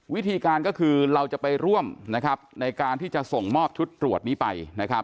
วิธีการก็คือเราจะไปร่วมในการที่จะส่งหมอกชุดตรวจนี้ไป